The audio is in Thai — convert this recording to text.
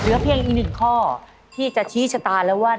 เหลือเพียงอีก๑ข้อที่จะชี้ชะตาแล้วว่า